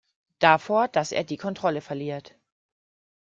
Davor, dass er die Kontrolle verliert.